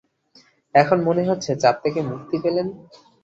এখন মনে হচ্ছে চাপ থেকে মুক্তি পেলেন।